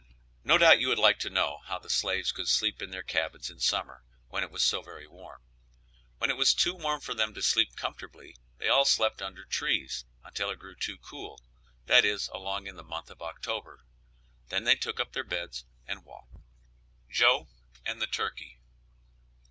No doubt you would like to know how the slaves could sleep in their cabins in summer, when it was so very warm. When it was too warm for them to sleep comfortably, they all slept under trees until it grew too cool, that is along in the month of October. Then they took up their beds and walked. JOE AND THE TURKEY.